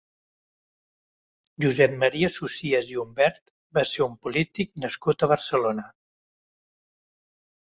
Josep Maria Socías i Humbert va ser un polític nascut a Barcelona.